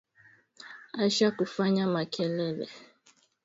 Atsha ku fanya makelele